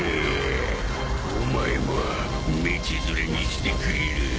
お前も道連れにしてくれる。